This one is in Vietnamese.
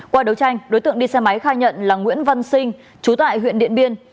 qua đấu tranh đối tượng đi xe máy khai nhận là nguyễn văn sinh chú tại huyện điện biên